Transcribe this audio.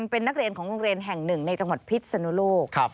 เป็นนักเรียนของโรงเรียนแห่งหนึ่งในจังหวัดพิษสนุโลก